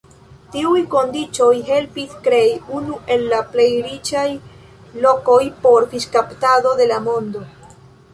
Tiuj kondiĉoj helpis krei unu el plej riĉaj lokoj por fiŝkaptado de la mondo.